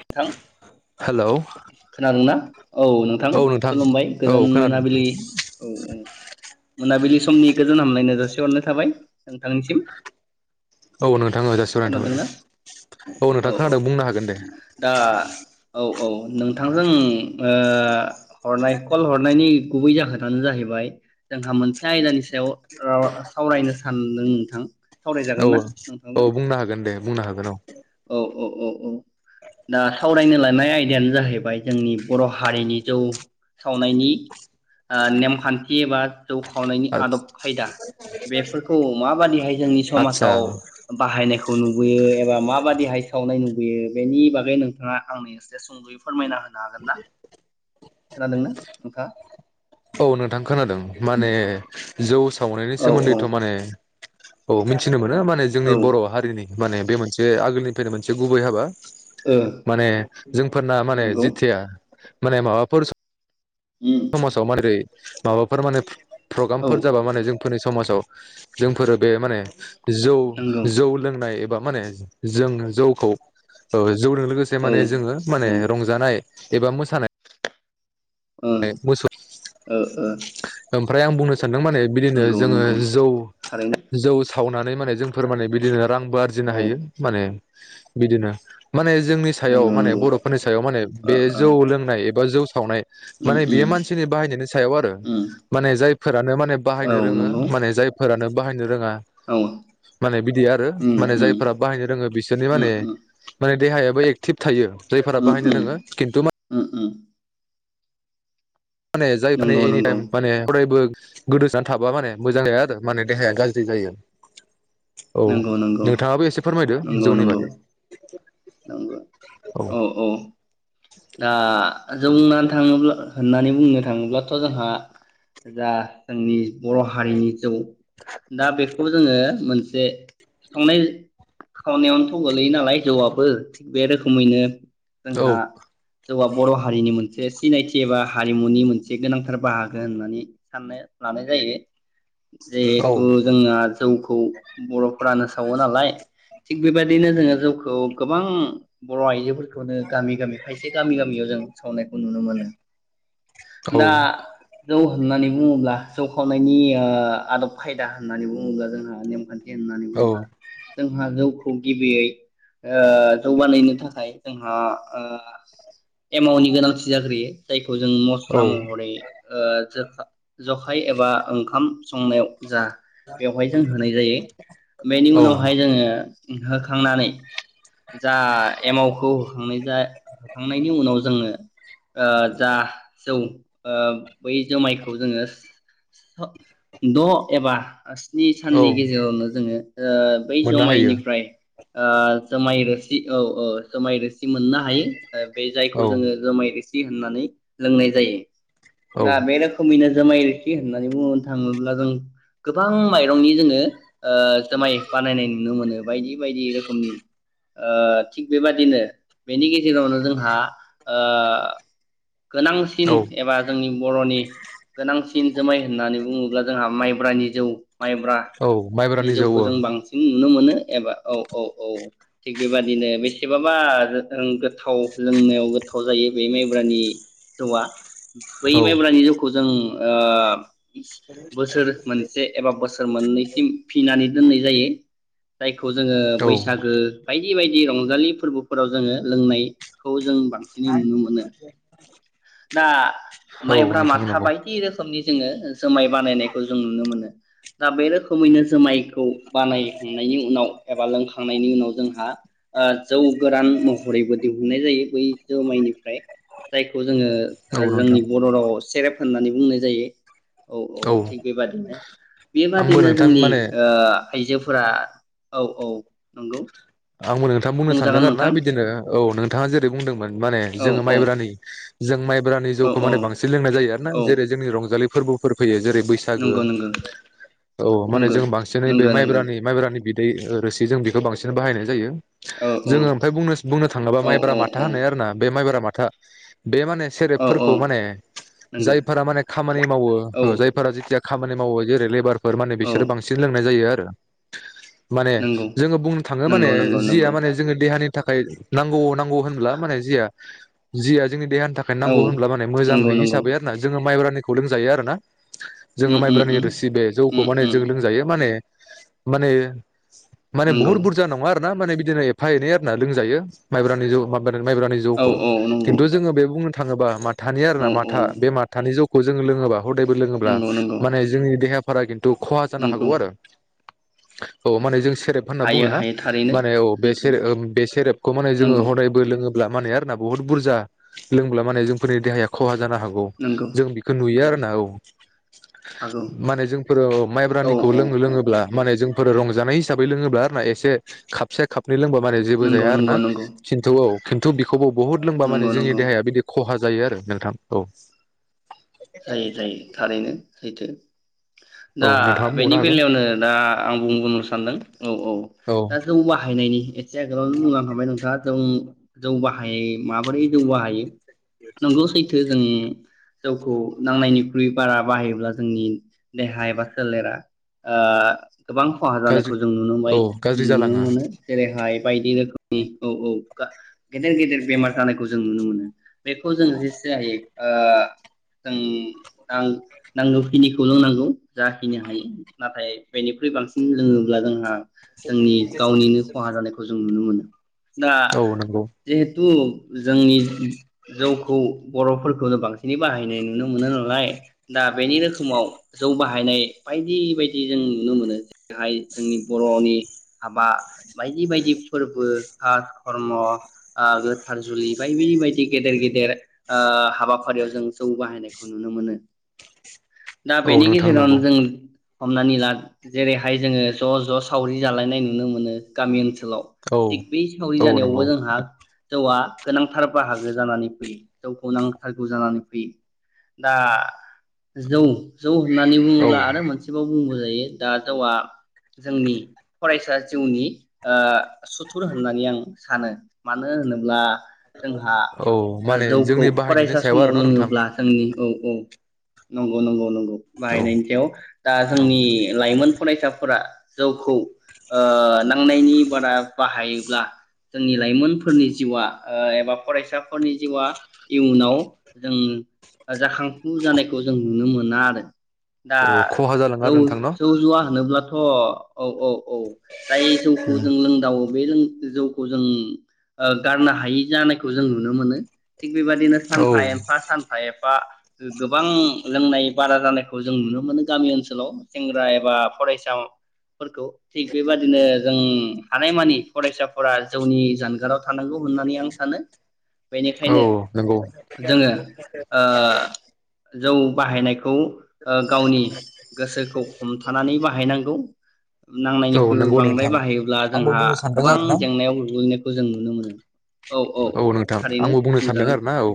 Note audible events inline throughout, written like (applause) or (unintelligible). नोंथां हेलौ खोनादोंना औ नोंथां खुलुमबाय औ गोजोन खोनादों मोनाबिलि औ औ मोनाबिलि समनि गोजोन हामलायनाय जासि हरनाय थाबाय नोंथांनिसिम औ नोंथां जासिहरनाय थाबाय खोनादोंना औ नोंथां खोनादों बुंनो हागोन दे दा औ औ नोंथांजों ओ हरनाय कल हरनायनि गुबै जाहोनानो जाहैबाय जोंहा मोनसे आयदानि सायाव ओ सावरायनो सानदों नोंथां सावरायजागोन औ ना नोंथांजों औ बुंनो हागोन दे बुंनो हागोन औ औ औ औ औ दा सावरायनो लानाय आयदायानो जाहैबाय जोंनि बर'हारिनि जौ सावनायनि ओ नेमखान्थि एबा जौ खावनायनि आदब खायदा बेफोरखौ माबादिहाय जोंनि आदसा समाजाव बाहायनायखौ नुबोयो एबा मा माबादिहाय सावनाय नु बियो बेनि बागै नोंथाङा आंनो इसे सुंदुयै फोरमायना होनो हागोन ना? खोनादोंना नोंथांङा औ नोंथां खोनादों माने जौ सावनायनि सोमोन्दैथ' औ माने औ मिथिनोमो नो माने औ जोंनि बर' हारिनि माने बे मोनसे आगोलनिफ्रायनो मोनसे गुबै हाबा। ओ माने जोंफोरना माने नंगौ जेथिया माने माबाफोर उम (unintelligible) माबाफोर माने औ प्रग्रामफोर जाबा माने जोंफोरनि समाजाव जोंफोरो बे माने जौ नंगौ जौ लोंनाय एबा माने जोङो जौखौ ओ जौदो लोगोसे औ माने जोङो माने औ रंजानाय एबा मोसानाय ओ मोसौ ओ ओ ओमफ्राय आं बुंनो सा नदों माने बिदिनो नंगौ जोंङो नंगौ जौ थारैनो जौ सावनानै माने जोंफोर माने बिदिनो रां बो आरजिनो औ हायो माने बिदिनो माने जोंनि सायाव नंगौ माने नंगौ बर'फोरनि सायाव माने ओ बे ओ जौ लोंनाय ए बा जौ सावनाय उम माने उम बेयो मानसिनि बाहायनायनि सायाव आरो उम माने जायफोरानो माने औ बाहायनो रोंङो नंगौ माने जायफोरानो बाहायनो रोंङा औ माने बिदि आरो उम माने उम जायफोरा बाहायनो रोंङो बिसोरनि उम उम माने देहाया बो एक्टिभ थायो। जायफोरा उम बाहायनो उम रोंङो खिन्थु मा उम उम (unintelligible) नंगौ नंगौ गोदोसोनानै थाबा माने मोजां जाया आरो माने देहाया गाज्रि जायो। औ नंगौ नंगौ नोंथांङाबो एसे फोरमायदो जौनि बागै नोंगौ औ औ दा जोना थांङोब्ला होननानै बुंनो थाङोब्लाथ जोंहा जा जोंनि बर हारिनि जौ दा बेखौ जोंङो मोनसे संनाय खावनायावनोथ गोलैयो नालाय जौआब बो बे रोखोमैनो औ जोंहा जौआ बर हारिनि मोनसे सिनायथि एबा हारिमुनि मोनसे गोनांथार बाहागो होननानै साननो लानाय जायो। औ जिहेथु जोंहा जोंखौ बर फुरानो सावो नालाय थिग बेबायदिनो जोंङो जौखौ गोबां बर आइजोफोर बेनो गामि-गामि खायसे गामि गामियाव जों सावनायखौ नुनो मोनानो औ दा जौ होननानै बुंङोब्ला जौ खावनायनि ओ आदब खायदा होननानै बुङोब्ला जोंहा नेमखान्थि होननानै बुंब्ला जोंहा जौ गिबियै ओ जौबानायनो थाखाय जोंहा ओ एमाउनि गोनांथि जाग्रोयो जायखौ जों औ मस्ला महरै ओ जों दा जखाय एबा ओंखाम संनायाव जा बेवहाय जों होनाय जायो बेनि औ उनावहाय जोंङो ओम होखांनानै जा एमावखौ होखांनाय होखांनायनि उनाव जोङो ओ जा जौ ओ बै जुमायखौ जोङो स द' एबा स्नि साननि औ गेजेरावनो जोङो ओ बै मोननो हायो जुमायनिफ्राय ओ माइरोसि औ औ जुमायरोस मोननो हायो ओ बे औ जायखौ जोङो जुमाय रोसि थि होननानै लोंनाय जायो औ । ना बे रोखोमैनो जोमै रो सि होननानै बुंनो थाङोब्ला जों गोबां माइरंनि जोङो ओ जुमाय बानायनाय नुनो मोनो बायदि बायदि रोखोमनि ओ थिग बेबादिनो बेनि गेजेरावनो जोंहा ओ गोनांसिन औ एबा जोंनि बर'नि गोनांसिन जोमाय होननानै बुङो अब्ला जोंहा माइब्रानि जौ माइब्रा औ नि माइब्रानि जौ जौखौ जों बांसिन नुनो मोनो एबा औ औ औ। थिग बेबादिनो बेसेबाबा रो ओं गोथाव लोंनो गोथाव जायो बे माइब्रानि जौआ। बै औ माइब्रानि जौखौ जों ओ बोसोर मोनसे एबा बोसोर मोननैसिम फिनानै दोननाय जायो जाय खौ जोङो औ बैसागो बायदि बायदि रंजालि फोरबोफोराव जोङो लोंनायखौ जों बांसिन नुनो मोनो दा औ माइब्रा नोंथां माथा नंगौ बायदि रोखोमनि जोङो जुमाय बानायनायखौ जों नुनो मोनो दा बे रोखोमैनो जुमायखौ बानायखांनायनि उनाव एबा लोंखांनायनि उनाव हा ओ जौ गोरान महरैबो दिहुननाय जायो । बै जुमाइनिफ्राय जायखौ जोङो औ ओ नोंथां जोंनि बर' रावाव सेरेफ होननानै बुंनाय जायो । औ औ थिग बेबादिनो आंबो बेबादिनो नोंथां जोंनि माने ओ आइजोफोरा औ औ नंगौ। आंबो नोंथां बुंनो सानदों बुंजागोन आरो ना नोंथां बिदिनो औ नोंथाङा जेरै बुंदोंमोन माने औ जोङो औ माइब्रानि जों माइ ब्रानि औ जौखौ औ माने बांसिन लोंनाय जायो आरोना औ जेरै जोंनि रंजालि फोरबोफोर फैयो जेरै बैसागो नंगौ नंगौ औ माने नंगौ जों बांसिनै बे नंगौ नंगौ माइब्रानि माइब्रानि बिद दै रोसि जों बेखौ बांसिन बाहायनाय जायो। औ जोङो ओमफाय बुंनो, बुंनो थाङोबा औ माइब्रा औ माथा होननाय आरोना बे माइब्रा मा था बे माने औ सेरेबफोरखौ औ माने नंगौ जायफोरा माने खामानि मावो औ ओ जायफोरा जेथिया खामानि मावो जेरै लेबार फोर माने औ बिसोरो बांसिन लोंनाय जायो आ रो माने नंगौ जोङो बुंनो थाङो माने नंगौ नंगौ जिया नंगौ माने जोङो देहानि थाखाय नांगौ नांगौ होनब्ला माने जिया जिया जोंनि देहानि थाखाय औ नांगौ होनब्ला माने नंगौ नंगौ मोजांहिसाबै आरो ना जोङो माइब्रानि खौ लोंजायो आरो ना। जोङो उम उम माइब्रानि उम रोसि बे जौखौ उम माने उम जों लोंजायो माने माने माने नंगौ बुहुत बुरजा नङा आरो। ना माने बिदिनो एफा एने आरोना लोंजायो माइब्रानि जौ माइब्रानि औ जौखौ औ नंगौ किनथु जों बे बुंनो थाङोबा माथ थानि आर ना औ औ माथा बे माथानि जौ खौ जों लोङोबा हदायबो लोङोब्ला नंगौ नंगौ माने जोंनि देहा फोरा थ खहा जानो नंगौ हागौ आरो। औ माने जों सेरेब होनना बुङो हायो ना। हायो थारैनो माने औ बे सैथो सेर बे सेरेबखौ माने जोङो नंगौ हदायबो लोङोब ब्ला माने बुहुत बुजा लोंब्ला जोंनि देहाया खहा जानो हागौ नंगौ जों बेखौ नुयो आरो। ना औ। हागौ माने जोंफोरो औ माइब्रानिखौ औ लोंनो औ लोङोब्ला माने जों फोरो रंजानाय हिसाबै लोङोब्ला आरोना एसे खापसे खाप लोंबा माने जेबो नंगौ जाया आरो ना नंगौ नंगौ खिन्थौ औ खिन्थु बिख खौ बहुद लोंबा माने नंगौ जोंनि नंगौ देहाया बिदि खहा जायो आरो नोंथां औ। जायो जायो थारैनो सैथो। औ दा नोंथाङा बेनि बुंबावनो हागोन बेलायावनो दा आं बुं बुंनो सानदों औ औ दा जौ बाहायनायनि एसे आगोलावनो बुंलां खाबाय नोंथाङा जों जौ बाहाय माबोरै जौ बाहायो? नोंगौ सैथो। जों जौखौ नांनायनिख्रुइ बारा बाहायोब्ला जोंनि देहा एबा सोलेरा ओ गोबां खहा गाज्रि जानायखौ जों औ नुनोबाय गाज्रि नुनो जालाङो मोनो जेरैहाय बायदि रोखोमनि औ औ गा गेदेर गेदेर बेमार जानायखौ जों नुनो मोनो बेखौ जों जेसे जायो ओ जों नां नांगौखिनिखौ लोंनांगौ जाहिनो हायो नाथाय बेनिख्रुइ बांसिन लोङोब्ला जोंहा जोंनि गावनिनो खहा जानायखौ जों नुनो मोनो। (inaudible) दा औ नंगौ जिहे (unintelligible) जोंनि जौखौ बर'फोर खौनो बांसिनै बाहायनाय नु नुनो मोनो नालाय दा बेनि रोखोमाव जौ बाहायनाय बायदि बायदि जों नुनो मोनो जेरैहाय जोंनि बर'नि हाबा बायदि बायदि फोरबो खास खर्म ओ गो थारजुलि बायदि बायदि गेदेर गे देर ओ हाबाफारियाव जों जौ बाहायनाय खौ नुनो मोनो। दा औ बेनि नोंथां गेजेरावनो नंगौ जों हमनानै ला जेरैहाय जोङो ज' ज' सावरि जालायनाय नुनो मोनो गामि ओनसो लाव औ थिग बेै सावरि औ जानायावबो नंगौ जोंहा जौआ गोनांथार बाहागो जानानै फैयो जौखौ नांथारगौ जानानै फैयो। दा जौ जौ होननानै औ बुङोब्ला आरो मोनसेबाव बुंबाव जायो दा जौआ जोंनि फरायसा जिउनि ओ सुथुर होननानै आं सानो मानो होनोब्ला जोंहा औ माने जौखौ जोंनि बाहायनायनि फरायसा सायाव आरो समाव न' नोंथां लोङोब्ला (unintelligible) औ औ नंगौ नंगौ नंगौ। औ बाहायनायनि सायाव दा जोंनि लाइमोन फरायसाफोरा जौखौ ओ नांनायनि बारा बाहायोब्ला जोंनि लाइमोनफोरनि जिउआ ओ एबा फरायसाफोरनि जिउआ इयुनाव जों जाखांफु जानायखौ जों नुनो मोना आरो। दा औ खहा जालाङो जौ आरो नोंथां न' जौ जुवा होनोब्लाथ' अ औ औ। औ जाय जौखौ जों लोंदावो बे लों जों जौखौ जों ओ गारनो हायि जानायखौ जों नुनो मोनो। थिग बेबादिनो औ सानफा एफा सान एफा गोबां लों नाय बारा जानायखौ जों नुनो मोनो गामि ओनसोलाव सेंग्रा एबा फरायसा फोरखौ थिग बेबादिनो जों हानायमानि फरायसाफोरा जौनि जानगाराव थानांगौ होननानै आं सानो बेनिखायनो औ नंगौ जोङो ओ जौ बाहायनाय खौ ओ गावनि गोसोखौ हमथानानै बाहायनांगौ। औ नांनायनिख्रुयबो नंगौ बांद्राय नोंथां बाहायोब्ला आंबो जोंहा बुंनो सानदों गोबां आरो ना जेंनायाव गोग्लैनो खौ जों नुनो मोनो। औ नोंथां आंबो बुंनो सानदों आरो ना औ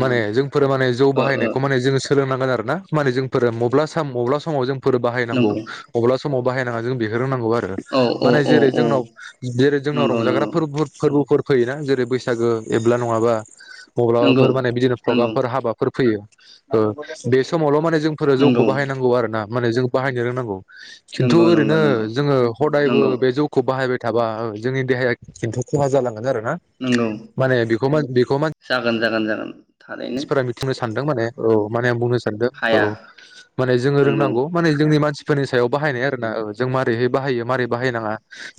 माने जों फोर माने जौ ओ ओ बाहायनायखौ माने जोंसो सोलोनांगोन आरो ना माने जोंफोर मब्ला साम माब्ला समाव जों फोर बाहायनांगौ नंगौ मब्ला सम समाव बाहायनाङा जों बे रोंनांगौ आरो औ औ माने औ जेरै औ जोंनाव जेरै जोंनाव नंगौ रंजाग्रा नंगौ फोरबो फोरबोफोर फैयोना जेरै बैसा गो एब्ला नङाब्ला नंगौ मब्लाबाफोर माने बिदिनो नंगौ प्रग्रामफोर हाबाफोर फैयो ओ बे समावल' माने जोंफोरो जौखौ नंगौ बाहायनांगौ आरो ना। माने जों बाहायनो रोंनांगौ। खिन्थु नंगौ नंगौ ओरैनो नंगौ जोङो हदायबो नंगौ बे जौखौ बाहायबाय थाबा ओ जोंनि देहाया खिन्थु खहा जालां गोन आरो। हा नंगौ माने बेखौ मान बेखौ मान जागोन जागोन जागोन थारैनो मानसिफोरा बिथिंयै सानदों। दों माने औे माने आं बुंनो हाया औ माने जोङो नंगौ रोंनांगौ माने जोंनि मानसि फोरनि सायाव बाहायनाय आर ना औ जों मारैहाय बाहायो मारै बाहायनाङा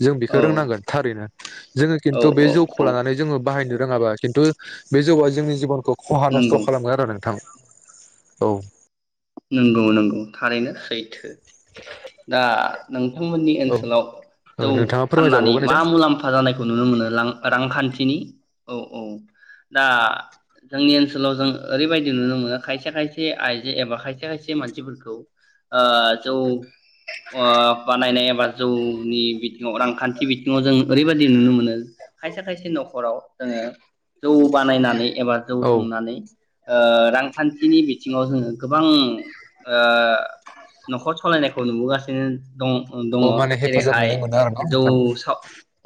जों बेखौ औ रोंनांगोन थारैनो जोङो औ खिन्थु बे औ जौखौ औ लानानै जोङो बाहायनो रोङाबा खिन्थु बे जौआ जोंनि जिबनखौ खहा नस्थ' नंगौ खालामगोन आरो नोंथां। औ नंगौ नंगौ थारैनो सैथो। दा नोंथांमोननि औ ओनसोलाव ओ जौ नोंथाङा फाननानै फोरमायजाबावगोन मा एसे मुलाम्फा जानायखौ नुनो मोनो लां रांखान्थिनि? औ औ दा जोंनि ओनसोलाव जों ओरैबायदि नुनो मोनो खायसे खायसे आइजो एबा खायसे खायसे मानसिफोरखौ ओ जौ ओ बानायनाय एबा जौनि बिथिङाव रांखान्थि बिथिङाव जों ओरैबायदि नुनो मोनो खायसे खायसे न'खराव जोङो जौ बानायनानै एबा जौ औ संनानै ओ रांखान्थिनि बिथिङाव जोङो गोबां ओ न'खर सालायनाय खो नुबोगासिनो दङ अ माने हेफाजाब जेरैहाय नुनाय मोनो आरो न' जौ नोंथां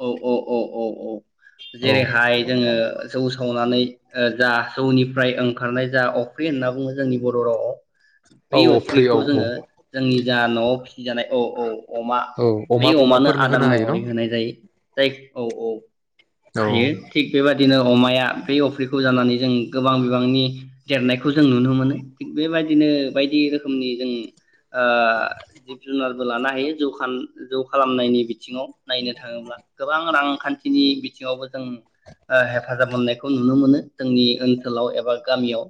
(unintelligible) औ औ औ औ औ जेरैहाय जोङो जौ सावनानै जा सौनिफ्राय ओंखारनाय जा अफ्रि होनना बुङो जोंनि बर' रावआव बे औ औ फ्रि अफ्रिखौ औ औ जोङो जोंनि जोंहा न' आव फिसि जानाय औ औ अमा औ बे अमा अमानो अमाफोरनो आदार होनो हायो महरै न' होनाय जायो दाय औ औ औ हायो थिग बेबादिनो दिनो अमाया बै अफ्रिखौ जानानै जों गोबां बिबांनि देरनायखौ जों नुनो मोनो थिग बेबायदि बिदिनो बायदि रोखोमनि जों ओ जिब जुनारबो लानो हायो जौ जौ खालामनायनि बिथिङाव नायनो थाङोब्ला गोबां रांखान्थिनि बिथिङावबो जों हेफाजाब मोननायखौ नुनो मोनो जोंनि ओनसोलाव एबा गामियाव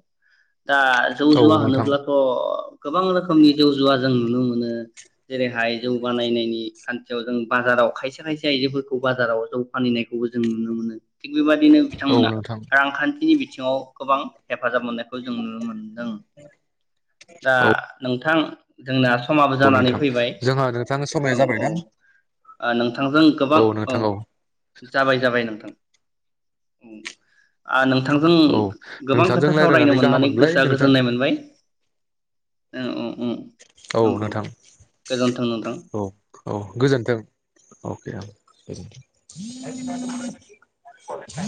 दा जौ औ जुवा नोंथां होनोब्लाथ' गोबां रोखोमनि जौ जुवा जों नुनो मोनो जेरैहाय जौ बानायनायनि खान्थियाव जों बाजाराव खायसे खायसे आयजोफोरखौ बाजाराव जौ फानहनायखौबो जों नुनो मोनो थिग बेबादिनो औ बिथांमोना नोंथां रांखान्थिनि बिथिङाव गोबां हेफाजाब मोननायखौ जों नुनो मोनदों दा औ नोंथां जोंना समाबो औ जानानै नोंथां फैबाय जोंहा नोंथां समाया औ जाबायदां औ नोंथांजों गोबां औ जाबाय जाबाय नोंथां आ न नोंथांजों औ गोबां नोंथांजों खोथा सावरायनो रायज्लायनानै गाहाम मोननानै मोनबाय गोसोआ नोंथां गोजोननाय मोनबाय औ औ ओ औ नोंथां औ औ गोजोन्थों अके (unintelligible)